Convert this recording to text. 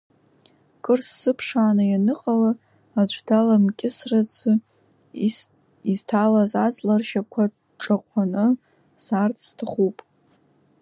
Кыр сзыԥшааны ианыҟала, аӡәы даламкьысразы, изҭалаз аҵла ршьапқәа ҿаҟәаны саарц сҭахуп.